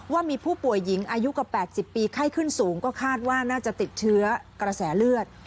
ว่ามีผู้ป่วยหญิงอายุกว่า๘๐ปีไข้ขึ้นสูงก็คาดว่าน่าจะติดเชื้อกระแสเลือด